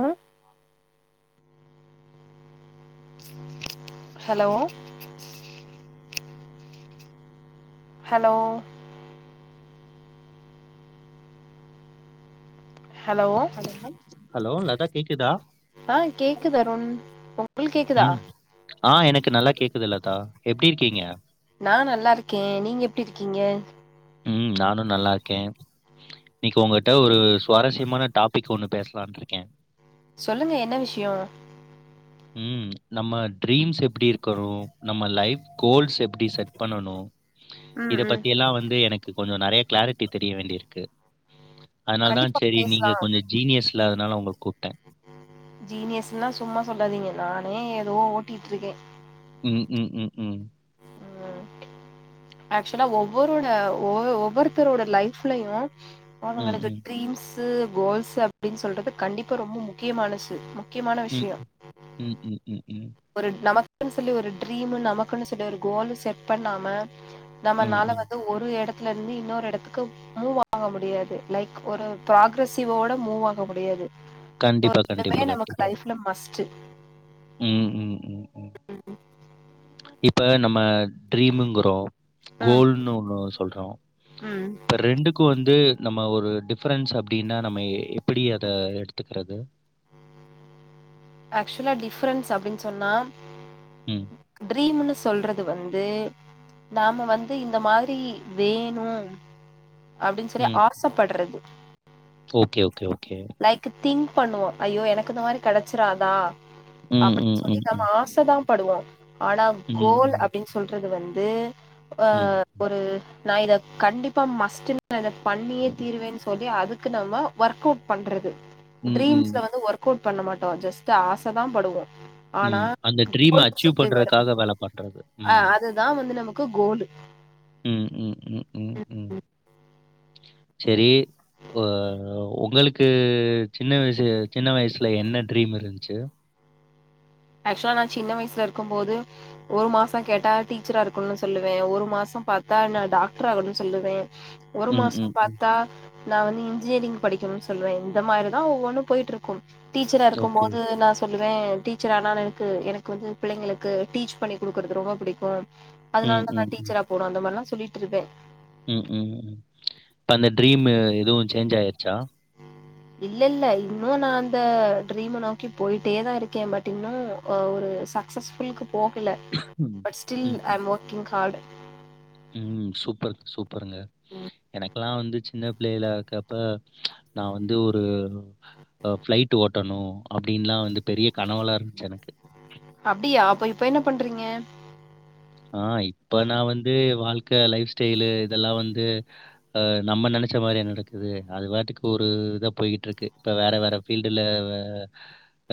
ஆ hello hello hello hello Latha கேக்குதா ஆ கேக்குது அருண் ஒ ம் ஆ எனக்கு நல்லா கேக்குது லதா எப்டி இருக்கீங்க நா நல்லாருக்கே நீங்க எப்டி இருக்கீங்க ம் நானு நல்லா இருக்கேன் இன்னிக்கு உங்கட்ட ஒரு சுவாரஸ்யமான டாபிக் ஒண்ணு பேசலான்ட்ருக்கே சொல்லுங்க என்ன விஷயம் ம் நம்ம ட்ரீம்ஸ் எப்டி இருக்கணும் நம்ம லைஃப் கோல்ஸ் எப்டி செட் பண்ணணு ம் இத ம் பத்தி எல்லா வந்து எனக்கு கொஞ்ச நறைய கிளாரிட்டி தெரிய வேண்டிருக்கு அதனால தா கண்டிப்பா சரி பேசலா நீங்க கொஞ்ச ஜீனியஸ்ல அதனால உங்கள கூப்ட்டே ஜீனியஸ்லாம் சும்மா சொல்லாதீங்க நானே ஏதோ ஓட்டிட்டுருக்கே ம் ம் ம் ம் ம் ஆக்சுவலா ஒவ்வொரோட ஒ ஒவ்வொருத்தரோட லைஃப்லயும் ம் அவங்களுக்கு ம் டரீம்ஸ் கோல்ஸ் அப்டின்னு சொல்றது கண்டிப்பா ரொம்ப முக்கியமானச்சு முக்கியமான ம் விஷயம் ம் ம் ம் ம் ஒரு நமக்ன்னு சொல்லி ஒரு ட்ரீம் நமக்ன்னு சொல்லி ஒரு கோலு செட் பண்ணாம ம் நம்மனால ம் வந்து ஒரு எடத்துல இருந்து இன்னொரு எடத்துக்கு மூவ் ஆக முடியாது லைக் ஒரு ப்ராகரசிவோட மூவ் ஆக முடியாது கண்டிப்பா ஸ்போட்ஸ்லமே கண்டிப்பா நமக்கு கண்டிப்பா லைஃப்ல மஸ்டு ம் ம் ம் ம் இப்ப நம்ம ட்ரீமுங்குறோ ம் கோல்ன்னு ஒண்ணு சொல்றோ ம் இப்ப ரெண்டுக்கு வந்து நம்ம ஒரு டிஃப்ரென்ஸ் அப்டின்னா நம்ம எப்டி அத எடுத்துக்கிறது ஆக்சுவலா டிஃரென்ஸ் அப்டின்னு சொன்னா ம், ட்ரீம்ஸ் சொல்றது வந்து நாம வந்து இந்த மாரி வேணு அப்டின்னு சொல்லி ம். ஆசப்பட்றது okay okay okay like think பண்ணுவோ ஐயோ எனக்கு இந்த மாரி கெடச்சிராதா ம், அப் ம், ம், நம்ம ம். ஆச தா படுவோ ஆனா ம், கோல் ம். அப்டின் சொல்றது வந்து ஆ ஒரு நா இத கண்டிப்பா மஸ்ட் இத பண்ணியே தீருவேன்னு சொல்லி அது அதுக்கு நாம ஒர்க் அவுட் பண்றது ம், ட்ரீம்ஸ்ல ம், வந்து ஒர்க் ஒர்க்கவுட் பண்ண மாட்டோ ஜஸ்ட் ஆச தா படுவோ ஆனா உம் அந்த ட்ரீம் கோல்னு அச்சீவ் பண்றக்காக வேல பண்றது உம் தா வந்து நமக்கு கோலு உம் உம் உம் உம் உம் சரி ஒங்களுக்கு சின்ன வயசு சின்ன வயசுல என்ன ட்ரீம் இருந்துச்சு ஆக்சுவலா நா சின்ன வயசுல இருக்கும்போது ஒரு மாச கேட்டா டீச்சரா இருக்கணும்னு சொல்லுவே ஒரு மாச பாத்தா நா டாக்டர் ஆகணு சொல்லுவே ஒரு ம், மாச ம், ம். பாத்தா நா வந்து இன்ஜினியரிங் படிக்கணும்னு சொல்லுவே இந்த மாதிரிதா ஒவ்வொன்னு போயிட்ருக் டீச்சரா இருக்கும் ஓகே. போது நா சொல்லுவே ஆனால் எனக்கு எனக்கு வந்து பிள்ளைகளுக்கு டீச் பண்ணி குடுக்குறது ரொம்ப பிடிக்கு அதனால ம், தா நா ம், ம். டீச்சரா போனும் அந்த மாரிலாம் சொல்லிட்ருப்பே ம் உம் உ உம் இப்ப அந்த ட்ரீம் எதுவு சேஞ்ச் ஆயிருச்சா இல்ல இல்ல இன்னு நா அந்த ட்ரீம நோக்கி போயிட்டே தா ருக்கே பட் இன்னு ஒரு ச சக்சஸ்ஃபுல்க்கு போகல ம். But still I'm working hard um super சூப்பர்ங்க எனக்கெல்லா வந்துச்சு சின்ன பிள்ளைல இருக்கப்ப நா வந்து ஒரு பிளைட் ஓட்டணு அப்டின்லா வந்து பெரிய கனெவெல்லா இருந்ச்சு எனக்கு அப்டியா அப்ப இப்ப என்ன பண்றீங்க ஆ இப்ப நா வந்து வாழ்க்க லைஃப் ஸ்டைலு இதெல்லா வந்து அ நம்ம நெனைச்ச மாரி யா நடக்குது அது பாட்டுக்கு ஒரு இதா போய்ட்ருக்கு இப்போ வேற வேற பீல்டுல வ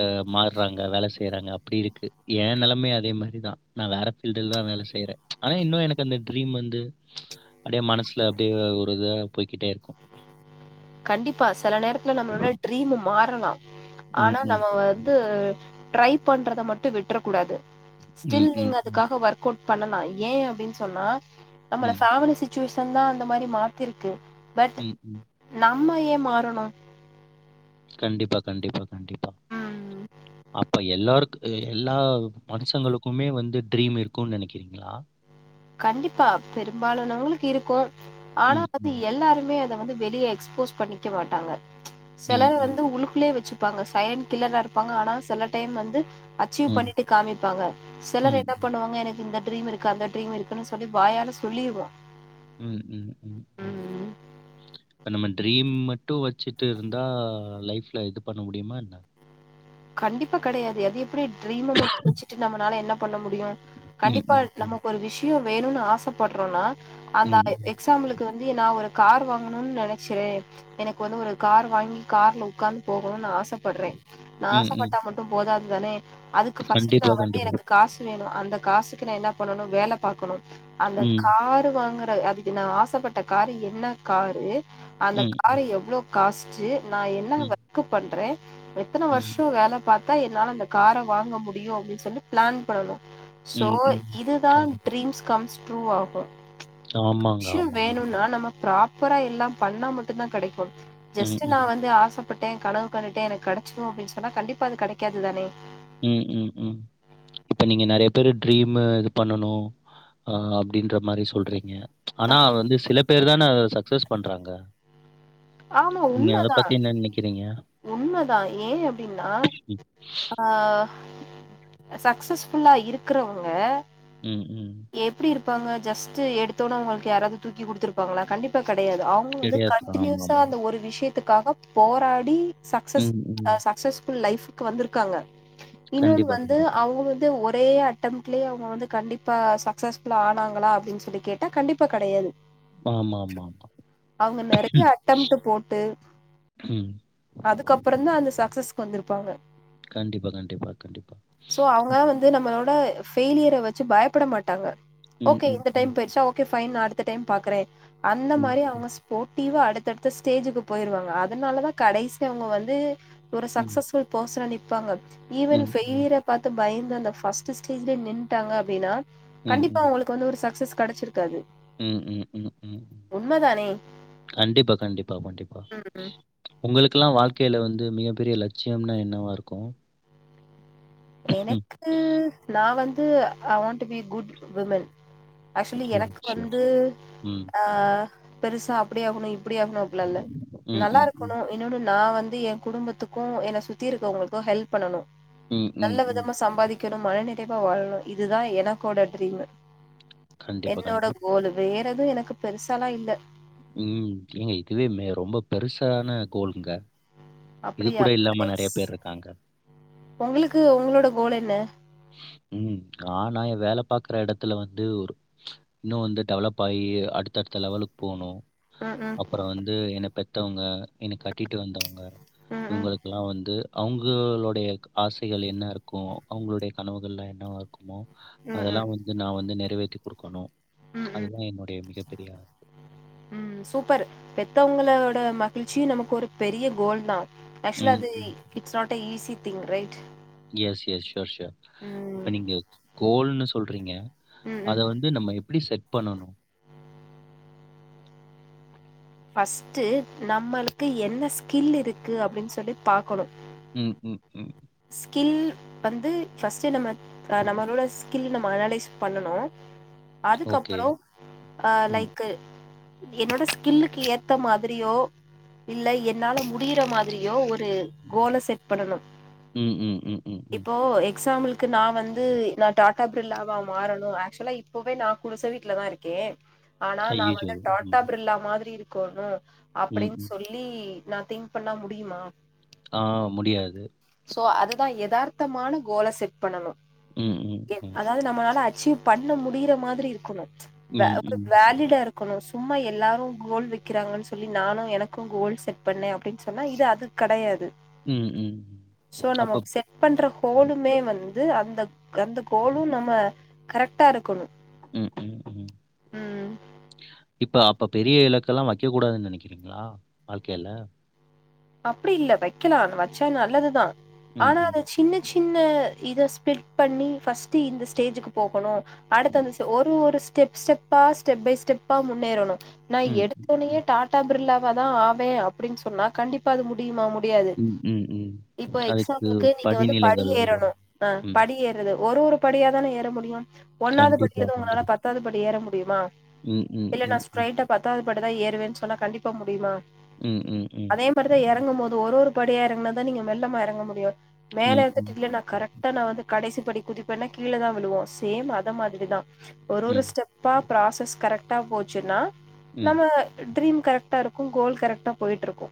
அ மாற்றாங்க வேல செய்யுறாங்க அப்டி இருக்கு ஏ நெலமயு அதே மாரிதா நா வேற ஃபீல்ட் லதா வேல செய்யறே ஆனா இன்னு எனக்கு அந்த ட்ரீம் வந்து அப்டியே மனசுல அப்டியே ஒ இதா போய்கிட்டே இருக்கு கண்டிப்பா சில நேரத்துல நம்மளோட ட்ரீமு மாறலா ம், ஆனா ம், நம்ம வந்து ட்ரை பண்றத மட்டு விட்டுறக்கூடாது ம், ஸ்டில் ம், நீங்க ம், அதுக்காக வொர்க் கோட் பண்ணலா ஏ அப்டின்னு சொன்னா நம்மள ம், ஃபேமிலி சி ஸுஸந் தா அந்த மாரி மாத்திருக்கு பட் ம் ம் நம்ம ஏ மாறணு கண்டிப்பா கண்டிப்பா கண்டிப்பா ம். அப்ப எல்லாருக்கு எல்லா மனுஷங்களுக்குமே வந்து ட்ரீம் இருக்கு நெனக்கிறீங்களா கண்டிப்பா பெரும்பாலனவங்களுக்கு இருக்கு ஆனா ம், அது ம், எல்லாருமே அ தா வந்து வெளியே எக்ஸ்போஸ் பண்ணிக்க மாட்டாங்க ம், செலர் ம், வந்து உள்ளுக்குள்ளயே வச்சு ப்பாங்க சைலன்ட் கில்லரா இருப்பாங்க ஆனா சில டைம் வந்து சிவ் ம், பண்ணிட்டு காமிப்பாங்க சிலர் ம், என்ன பண்ணுவாங்க எனக்கு இந்த டிரீம் இருக்கு அந்த டிரிம் இருக்கு ன்னு சொல்லி வாயால சொல்லிருவ ம் ம் ம் ம் இப்ப நம்ம ட்ரீம் மட்டு வச்சுட்டு இருந்தா லைஃப்ல இது பண்ண முடியுமா என்ன கண்டிப்பா கெடையாது அது எப்டி ட்ரீம மட்டு வச்சுட்டு நமளால என்ன பண்ண முடியு ம், கண்டிப்பா ம், ம், நமக்கு ஒரு விஷுயோ வேணுனு ஆசப்படுறோம்னா அந்த ம், ம், எக்ஸாம்புலுக் கு வந்து நா ஒரு கார் வாங்கணும்னு நெனச்ச எனக்கு வந்து ஒரு காரு வாங்கி கார்ல உட்காந்து போகணும்னு நா ஆசப்பட்ற நா ம், ம். ஆசப்பட்டா மட்டு போதாது தானே அதுக்கு ஃபஸ்டு நா கண்டிப்பா, வந்து கண்டிப்பா. எனக்கு காசு வேணு அந்த காசு க்கு என்ன பண்ணணு வேல பாக்கணு அந்த ம். காரு வாங்குற அது ந ஆசப்பட்ட காரு என்ன காரு அந்த ம். காரு எவ்ளோக் காஸ்ட்டு நா என்ன ம். ஒர்க்கு பண்ற எத்தன ம். வருஷோ வேல பாத்தா என்னால அந்த கார வாங்க முடியு அப்டின்னு சொல்லி பிளான் பண்ணணு சோ ம். ம். இதுதா கண்டிப்பா. ட்ரீம்ஸ் கம்ஸ் ட்ரூ ஆகு ஆமாங்க, ஷியம் ஆமாங்க, ஆமா. வேணும்னா நம்ம ப்ராப் ப்பரா எல்லா பண்ணா மட்டுதா கெடைக்கு ம். ஜஸ்ட் நா ம். வந்து ஆசப்பட்ட கனவு கண்டுட்டே எனக்கு கெட சிரு அப்டின்னு சொன்னா கண்டிா அது கெடைக்காது தானே ம் ம் ம் இப்ப நீங்க நெறைய பேரு ட்ரீமு இது பண்ணணு அ அப்டின்ற மாரி சொல்றீங்க ஆனா அத வந்து சில பேரு தான சக்சஸ் பண்றாங்க ஆமா நீங்க அத பத்தி என்ன நெனக்கிறீங்க உண்ம தா ஏன் அப்டின்னா ம். ஆ சக்சஸ்ஃபுல்லா இருக்குறவங்க ம் ம் எப்டி இருப்பாங்க ஜஸ்ட் எடுத்தோனே அவுங்களுக்கு யாராது தூக்கி குடுத்துருப்பாங்களா கண்டிப்பா கெடையாது ஆவ்ங் [inaudible] வந்து கிடையாது. கண்டினியூஸா ஆமாமா. அந்த ஒரு விஷயத் த்துக்காக போராடி சக்சஸ் ம். ஆ ம். சஸ்சஸ்ஃபுல் லைஃபுக்கு வந்திருக்காங்க இன்னொன்னு கண்டிப்பா, வந்து கண்டிப்பா. அவுங்க வந்து ஒரே அட் ட்டம்ட்லயே அவுங்க வந்து கண்டிப்பா சக்சஸ்ஃபுல்லா ஆனாங்களா அப்டின்னு சொல்லி கேட்டா கண்டிப்பா கெடையாது ஆமாமாமா. அவுங்க நெறய ம். அட்டம்ட்டு போட்டு ம் அதுகப்ற தா அந்த சக்சஸ்கு வந்துருப்பாங்க கண்டிப்பா கண்டிப்பா கண்டிப்பா இது நம்பளோட ஃபெயுலியர வச்சு பயப்பட மாட்டாங்க ம். ஓகே ம். இந்த ம். டைம் போயிரிச்ச ஓகே ஃபைன் நா அடுத்த டைம் பாகுற அந்த ம். மாரி அவுங்க சோ ஸ்போடிவ்வா அடுத்தடுத்த ஸ்டேஜுக்கு போயிருவாங்க அதனால தா கடைசிய அவுங்க வந்து ஒரு ம். சக்சஸ்ஃபுல் பர்சன நிப்பாங்க ஈவன் ம். ம். ஃபெய்லியரா பாத்து பயந்து அந்த பஃஸ்ட்டு ஸ்டேஜ்லயே நின்டாங்க அப்டின்னா ம். கண்டிப்பா ம். அவவுளுக்கு வந்து ஒரு சக்சஸ் கெடச்சிக் ம் ம் ம் ம் உண்மதானே? கண்டிப்பா கண்டிப்பா கண்டிப்பா ம். உங்களுக்கள்ள வாழ்க்கையில வந்து மிகப்பெரிய லட்சியம்னா என்னவா இருக்கு எனக்கு நா வந்து அ want to be good woman actually ஓ! எனக்கு ஷூர், வந்து ஷூர். ம். ஆ பெருசா அப்டி ஆகணு இப்டி ஆகணு இல்லல்ல ம், நல்லா ம், ம். இருக்கணு இன்னொன்னு நா வந்து எ குடும்பத்துக்கு என்ன சுத்தி இருக்கவங்களுக்கு ஹெல்ப் பண்ணனு ம், நல்ல ம், ம். விதமா சம்பாதிக்கணு மன நிறைவா வாழணு இதுதா எனக்கோட ட்ரீமு கண்டிப்பா, என்னோட கண்டிப்பா. கோல் வேற எதுவு எனக்கு பெருசாலா இல்ல ம் ஏங்க இதுவே மே ரொம்ப பெருசான கோலுங்க இது அப்படியா கூட இல்லாம நைஸ் நெறய பேர் இருக்காங்க உங்களுக்கு உங்ளோட கோல் என்ன ம் ஆனா எ வேல பாக்குற எடத்துல வந்து ஒரு இன்னு வந்து டெவலப் ஆயி அடுத்த அடுத்த லெவலுக் போணு ம் ம் அப்பற வந்து என்ன பெத்தவங்க என்ன கட்டிட்டு வந்தவங்க ம் ம் இவங்களுக்லா வந்து அவங்கோளோடைய ஆசைகள் என்ன இருக்கு அவங்களுடைய கனவுகள்லா என்னவா இருக்குமோ ம் ம் அதெல்லா வந்து நா வந்து நெறவேத்தி குடுக்கணு ம் ம் அதுதா என்னுடைய மிகப்பெரிய ம் சூப்பர் பெத்தவங்ளோட மகிழ்ச்சி நமக்கு ஒரு பெரிய கோல் தா ஆக்சுவலா ம். இது ம். It's not a easy thing right yes yes sure sure இப்ப ம் நீங்க கோல்னு சொல்றீங்க ம் அத ம் வந்து நம்ம எப்டி செட் பண்ணணு ஃபஸ்ட்டு நம்மள்க்கு என்ன ஸ்கில் இருக்கு அப்டின்னு சொல்லி பாக்கணு ம் ம் ம் ஸ்கில் வந்து ஃபர்ஸ்ட்டு நம்ம நம்மளோட ஸ் கில் நம்ம அனலைஸ் பண்ணனு ஓகே. அதுக்கப்றோ அ ம். லைக்கு என்னோட ஸ்கில்லுக்கு ஏத்த மாதிரியோ இல்ல என்னால முடியுற மாதிரியோ ஒரு கோல செட் பண்ணனும் ம் ம் ம் ம். ம். இப்போ எக்ஸாம்பிளுக்கு நா வந்து நா டாட் டா பிர்லாவா மாறணு ஆக்சுவலா இப்பவே நா குடுச வீட்ல தா இருக்கே ஆனா நா ஐய்யய்யோ! வந்து டாட்டா ம். பிர்ல்லா மாதிரி இருக்கோணு ம். அப்டின்னு ம். சொல் லி நா திங்க் பண்ணா முடியுமா ஆ முடியாது சோ அதுதா எதார்த்தமான கோல செட் பண்ணணு ம் ம் ம் அதாது நம்ளால அச்சீவ் பண்ண முடிய்ற மாதிரி இருக்கணு வே ம். வேலீடா இரு கணு சும்மா எல்லாரு கோல் வைக்கிறாங்கன் சொல்லி நானு எனக்கு கோல் செட் பண்ணே அப்டின்னு சொன்னா இது அது கெடையாது ம் ம் ம் சோ நம்ம அப்ப செ ட் பண்ற ஹோலுமே வந்து அந்த அந்த கோலு நம்ம கரெக்டா இருக்கணு ம் ம் ம் ம் இப்ப அப்ப பெரிய இலக்கெல்லா வைக்க கூடாதுன் நெனக்கிறீங்ளா வாழ்க்கைல அப்டி இல்ல வைக்கலா வச்சா நல்லதுதா ம், ஆனா ம். அத சின்ன சின்ன இத ஸ்பிலிட் பண்ணி ஃபர்ஸ்ட்டு இந்த ஸ்டேஜுக்கு போகணு அடுத் அந்த ஒரு ஒரு ஸ்டெப் ஸ்டெப்பா ஸ்டெப் பை ஸ்டெப்பா முன்னேறணு நா ம், ம், எடுத்தோனையே டாடா பிர்லாவா தா ஆவே அப்டின் சொன்னா கண்டிப் ப்ப அது முடியுமா முடியாது ம். ம், ம். இப்ப அதுக்கு எக்ஸாம்புக்கு நீங்க வந்து படி படிநிலைகள் ஏறணு வரும். ஆ ம். படி ஏறது ஒரு ஒரு படியா தானே ஏற முடியும் ஒன்னாவது படில்ல கண்டிப்பா, இருந்து உங்ளால கண்டிப்பா. பத் பத்தாது படி ஏற முடியுமா ம், ம், இல்ல நா ம், ம். ஸ்ட்ரரைட்டா பத்தாது படிதா ஏறுவே சொன்னா கண்டிப்பா முடியுமா ம் ம் ம் அதே மாரிதா இறங்கு போது ஒரு ஒரு படியா இறங்கினாதா நீங்க மெல்லமா இறங்க முடியு மேல ம், இருந்துட்டு ம், இல்லனா கரெக்டா நா வந்து கடைசி படி குதிப்பெனா கீழதா விழுவோ சேம் அத மாதிரிதா ஒரு ஒரு ம், ஸ்டெப்பா ப்ராசஸ் கரெக்டா போச்சுன்னா ம், நம்ம ட்ரீம் கரக்டா இருக்கு கோல் கரெக்டா போயிட்டு இருக்கு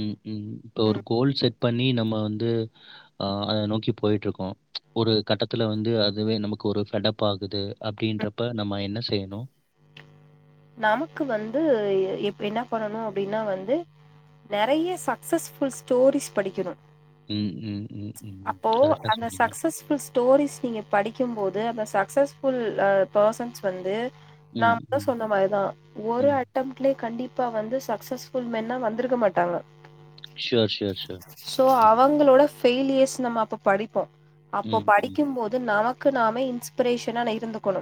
ம் ம் இப்ப ஒரு கோல் செட் பண்ணி நம்ம வந்து ஆ அத நோக்கி போயிட்ருக்கோ ஒரு கட்டத்துல வந்து அதுவே நமக்கு ஒரு ஃபெடப் ஆகுது அப்டின்றப்ப நம்ம என்ன செய்ணு நமக்கு வந்து எப்டி எனா பண்ணணு அப்டின்னா வந்து நெறைய சக்சஸ்ஃபுல் ஸ்டோரிஸ் படிக்கணு ம், ம், ம், ம். அப்போ கரெக்ட்டா அந்த சொன்னீங்க. சக்சஸ்ஃபுல் ஸ்டோரிஸ் நீங்க படிக்கும்போது அந்த சக்சஸ்ஃபுல் பர்சன்ஸ் வந்து நான் ம் மொத ம், சொன்ன மாரிதா ஒரு ம். அ ட்டம்லேயே கண்டிப்பா வந்து சக்சஸ்ல் ஃபுல் மென்னா வந்துருக்க மாட்டாங்க சோர் சோர் சோர் சோ அவங்களோட ஃபெயலியர்ஸ் நம்ம அப்ப படிப்போ அப்போ ம், ம். படிக்கும்போது நமக் கு நாமே இன்ஸ்பிரேஷனா இருந்துக்கணு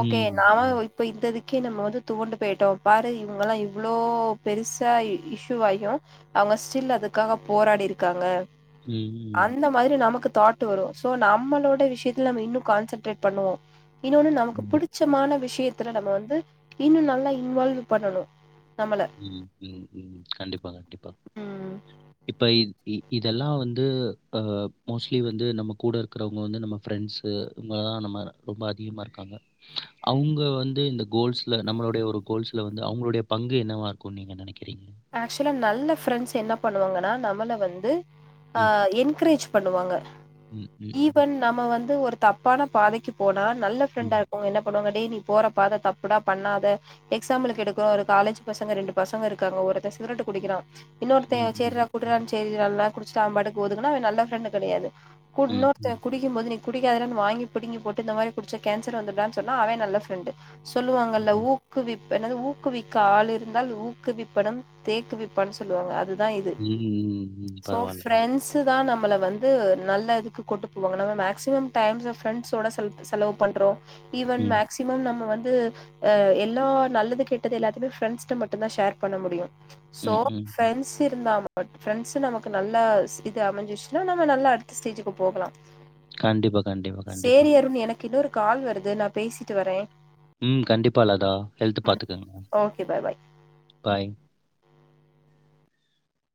ஓகே நாம ம். இப்ப இந்ததுக் கே நம்ம வந்து துவண்டு போயிட்டோ பாரு இவுங்க எல்லா இவ்ளோ பெருசா இஷயூ ஆயு அங்க ஸ்டில் அதுக்காக போராடி இருக்காங்க ம். அந்த மாரி நமக்கு தாட் வரு சோ நம்மளோட விஷயத்துல நம்ம இன்னு கான்சன்ட்ரேட் பண்ணுவோ இன்னொன்னு நமக்கு ம். புடிச்சமான விஷயத்துல நம்ம வந்து இன்னு நல்லா இன்வால்வ் பண்ணணு நம்மள ம் ம் ம் கண்டிப்பா கண்டிப்பா இப்போ இ இதெல்லா வந்து மோஸ்ட்லி வந்து நம்ம கூட இருக்கிறவங்க வந்து நம்ம ஃப்ரெண்ட்ஸு இவுங்கதா நம்ம ரொம்ப அதிகமா இருக்காங்க அவுங்க வந்து இந்த கோல்ஸ்ல நம்மளுடைய ஒரு கோல்ஸ்ல வந்து அவுங்களுடைய பங் கு என்னவா இருக்குனு நீங்க நெனைக்கிறீங்க ஆக்சுவலா நல்ல ஃப்ரெண்ட்ஸ் என்ன பண்ணுவாங்கன்னா நம்மள வந்து ஆ ம். என்கரேஜ் பண்ணுவாங்க ம். ம். ம். ஈவன் நம்ம வந்து ஒரு தப்பான பாதைக்கு போனா நல்ல ஃப்ரெண்டா ம். இருக்கவங்க என்ன பண்ணுவாங்க டே நீ போற பாத தப்புடா பண்ணாத எக்ஸாமம்பிளுக்கு எடுக்குறோ ஒரு காலேஜ் பசங்க ரெண்டு பசங்க இருக்காங்க ஒரு சிகரெட் குடிக்கிறா இன்னொருத்த ம். சேரிடி குடிறான்னு சேரி குடிக்குறால குடிச்சிட்டு அவ பாடுக்கு ஒதுங்குனா அவ நல்லா ஃப்ரெண்டு கிடையாது ம். இன்னொருத்த ம். குடிக் கும் போது நீ குடிக்காததுனு வாங்கி புடுங்கி போட்டு இந்த மாரி குடிச்ச கேன்சர் வந்துடுடா சொன்னா அவ நல்ல ஃப்ரெண்டு சொல்லுவாங்கல்ல ம். ஊக்குவிப் ஊக்குவிக்க ஆள் இருந்தால் ஊக்குவிப்பனம் தேக்கு விப்பான்னு சொல்லுவாங்க அதுதா இது ம். ம். ம். சோ பரவால்ல. ஃப்ரெண்ஸ் சு தா நம்மள வந்து நல்ல இதுக்கு கொட்டு போவாங்க நம்ம மேக்சிமம் டைம்ஸ்ச ஃப்ரெண்ட்ஸோட செல செலவு பண்றோ ஈவன் ம். மேக் சிமம் நம்ம வந்து எல்லா நல்லது கேட்டது எல்லாத்தயுமே ஃப்ரெண்ட்ஸிட்ட மட்டுதா ஷேர் பண்ண முடியு சோ ம். ம். பிரண்ட்ஸ் இருந்தாம பட் ஃப்ரெண்ட்ஸ் நமக்கு நல்லா இது அமைஞ்சிச்சுன்னா நம்ம நல்லா அடுத்த ஸ்டேஜுக்கு போகலா கண்டிப்பா, கண்டிப்பா, கண்டிப்பா. சேரி அருண் எனக்கு இன்னொரு கால் வருது நா பேசிட்டு வரே ம் கண்டிப்பா லதா ஹெல்து ம் பாத்துக்கங்க ஓகே பாய் பாய் பாய்